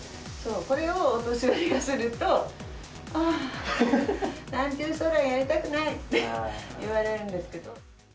これをお年寄りがすると、あー、ソーラン節やりたくないって言われるんですけど。